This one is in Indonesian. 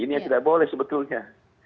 ini yang tidak boleh sebetulnya